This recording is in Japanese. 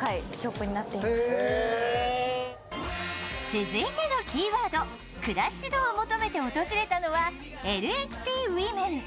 続いてのキーワード、クラッシュドを求めて訪れたのはＬＨＰＷＯＭＥＮ。